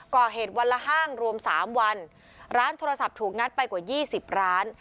ก่อเหตุวันละห้างรวมสามวันร้านโทรศัพท์ถูกงัดไปกว่ายี่สิบร้าน